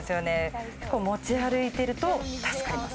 持ち歩いていると助かります。